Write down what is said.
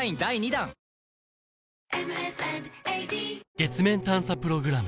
月面探査プログラム